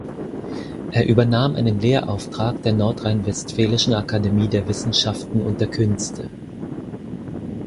Er übernahm einen Lehrauftrag der Nordrhein-Westfälischen Akademie der Wissenschaften und der Künste.